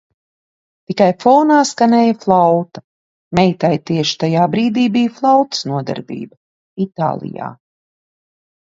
Tikai fonā skanēja flauta - meitai tieši tajā brīdī bija flautas nodarbība. Itālijā